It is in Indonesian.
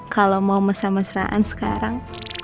kalau mau mesra mesraan sekarang